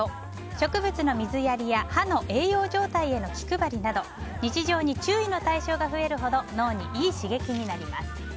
植物の水やりや葉の栄養状態への気配りなど日常に注意の対象が増えるほど脳にいい刺激になります。